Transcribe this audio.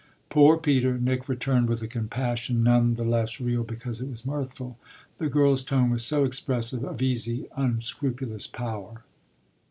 "Poor Peter!" Nick returned with a compassion none the less real because it was mirthful: the girl's tone was so expressive of easy unscrupulous power.